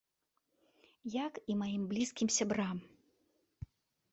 Як і маім блізкім сябрам.